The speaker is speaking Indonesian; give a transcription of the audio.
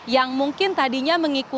yang mungkin tadi saya sudah beritahu